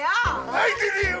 泣いてねえよ！